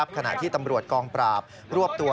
ขณะที่ตำรวจกองปราบรวบตัว